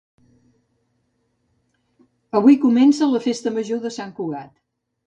Avui comença la festa major de Sant Cugat